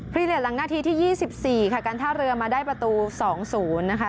รีเลสหลังนาทีที่๒๔ค่ะการท่าเรือมาได้ประตู๒๐นะคะ